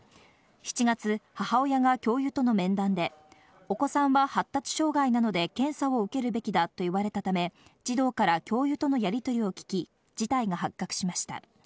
７月、母親が教諭との面談で、お子さんは発達障害なので検査を受けるべきだと言われたため、児童から教諭とのやりとりを聞き、事態が発覚しました。